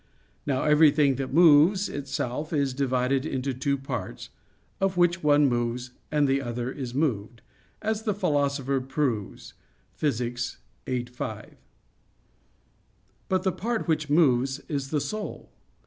Now everything that moves itself is divided into two parts, of which one moves, and the other is moved, as the Philosopher proves (Phys. viii, 5). But the part which moves is the soul.